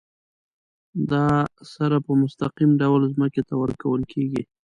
دا سره په مستقیم ډول ځمکې ته ورکول کیږي.